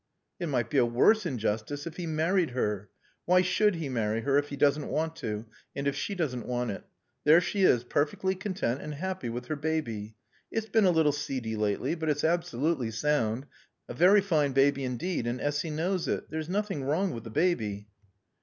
"It might be a worse injustice if he married her. Why should he marry her if he doesn't want to, and if she doesn't want it? There she is, perfectly content and happy with her baby. It's been a little seedy lately, but it's absolutely sound. A very fine baby indeed, and Essy knows it. There's nothing wrong with the baby."